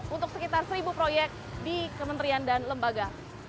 untuk sekitar seribu proyek di kementerian dan lembaga